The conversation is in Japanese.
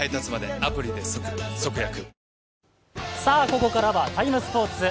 ここからは「ＴＩＭＥ，スポーツ」。